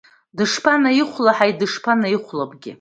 Дышԥанеихәлаҳаи, дышԥанеихәлабгеи?